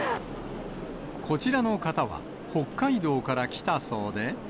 こちらの方は北海道から来たそうで。